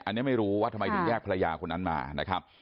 อันนี้ไม่รู้ว่าทำไมถึงแยกภรรยาคนนั้นมานะครับ